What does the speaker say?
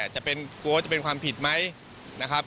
จะเป็นกลัวว่าจะเป็นความผิดไหมนะครับ